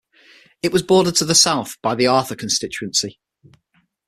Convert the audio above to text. It was bordered to the south by the Arthur constituency.